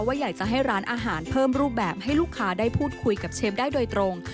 อยากจะให้ร้านอาหารเพิ่มรูปแบบให้ลูกค้าได้พูดคุยกับเชฟได้โดยตรง